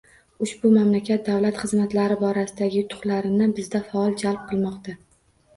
Ushbu mamlakat davlat xizmatlari borasidagi yutuqlarini bizda faol jalb qilmoqda.